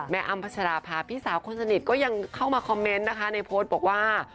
อ้ำพัชราภาพพี่สาวคนสนิทก็ยังเข้ามาคอมเมนต์นะคะในโพสต์บอกว่า